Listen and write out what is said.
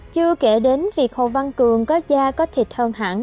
chưa kể đến việc hồ văn cường có da có thịt hơn hẳn